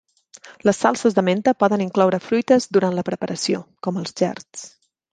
Les salses de menta poden incloure fruites durant la preparació, com els gerds.